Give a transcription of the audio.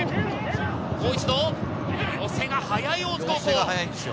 もう一度、寄せが速い大津高校。